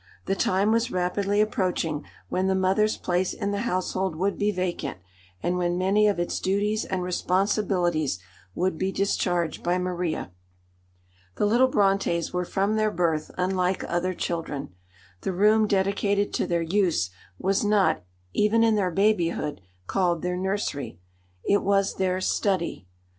The time was rapidly approaching when the mother's place in the household would be vacant, and when many of its duties and responsibilities would be discharged by Maria. The little Brontës were from their birth unlike other children. The room dedicated to their use was not, even in their babyhood, called their nursery; it was their "study."